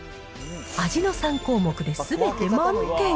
味の３項目ですべて満点。